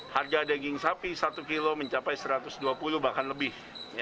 harga daging sapi satu kilo mencapai satu ratus dua puluh bahkan lebih